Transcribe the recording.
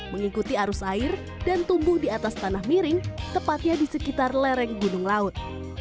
mengikuti arus air dan tumbuh di atas tanah miring tepatnya di sekitar lereng gunung laut